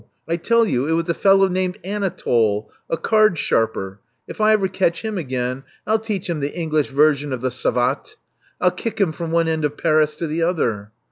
I tell you it was a fellow named Annatoal, a card sharper. If I ever catch him again, I'll teach him the English version of the savate: 1*11 kick him from one end of Paris to the other."